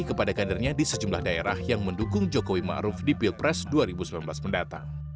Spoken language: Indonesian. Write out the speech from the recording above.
kepada kadernya di sejumlah daerah yang mendukung jokowi ⁇ maruf ⁇ di pilpres dua ribu sembilan belas mendatang